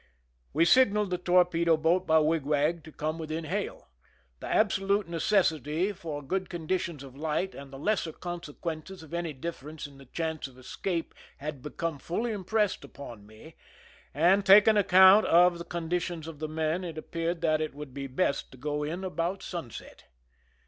We signaled the torpedo boat by wigwag to come within hail. The absolute neco.ssity for good conditions of light and the lesser consequence of any difference in the chance of escape had become fuUy impressed upon me, and taking account of the condition of the men, it appeared that it would be best to go in about sunset.